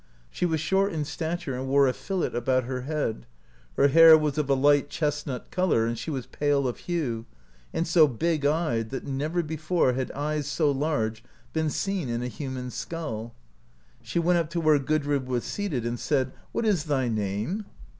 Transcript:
She was short in stature, and wore a fillet about her head ; her hair was of a light chestnut colour, and she was pale of hue, and so big eyed that never before had eyes so large been seen in a human skull. She went up to where Gudrid was seated, and said: "What is thy name?"